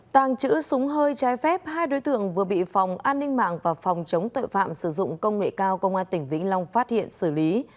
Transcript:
tàng trữ súng hơi trái phép hai đối tượng vừa bị phòng an ninh mạng và phòng chống tội phạm sử dụng công nghệ cao công an tỉnh vĩnh long phát hiện xử lý